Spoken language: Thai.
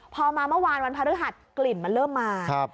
พอมาเมื่อวานวันพระฤหัสกลิ่นมันเริ่มมา